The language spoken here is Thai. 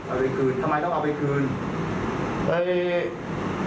เอาไปคืนทำไมต้องเอาไปคืนแล้ว